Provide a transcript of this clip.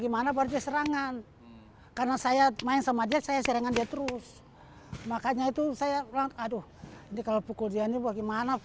makanya itu saya bilang aduh ini kalau pukul dia ini bagaimana